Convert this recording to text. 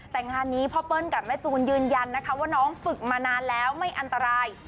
แต่งานนี้พ่อเปิ้ลกับแม่จูนยืนยันนะคะว่าน้องฝึกมานานแล้วไม่อันตราย